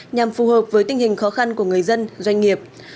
nhằm phù hợp với tình hình khó khăn của người dân doanh nghiệp